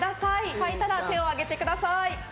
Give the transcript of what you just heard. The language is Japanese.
書いたら手を上げてください。